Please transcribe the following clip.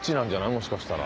もしかしたら。